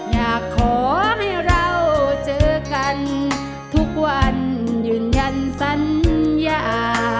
อยากขอให้เราเจอกันทุกวันยืนยันสัญญา